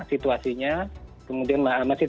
situasinya kemudian masih